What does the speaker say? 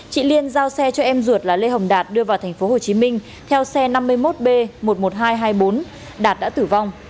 chị liên giao xe cho em ruột là lê hồng đạt đưa vào thành phố hồ chí minh theo xe năm mươi một b một mươi một nghìn hai trăm hai mươi bốn đạt đã tử vong